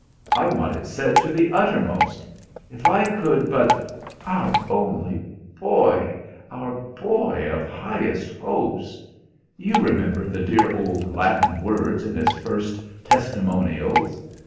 I want it said to the uttermost. If I could but our only boy our boy of 'highest hopes'! You remember the dear old Latin words in his first 'testimonials'?"